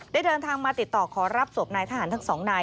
เดินทางมาติดต่อขอรับศพนายทหารทั้งสองนาย